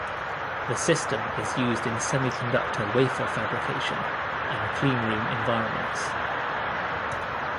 The system is used in semiconductor wafer fabrication and cleanroom environments.